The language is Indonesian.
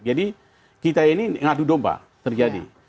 kita ini ngadu domba terjadi